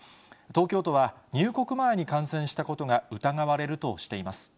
東京都は、入国前に感染したことが疑われるとしています。